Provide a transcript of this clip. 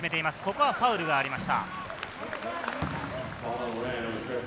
ここはファウルがありました。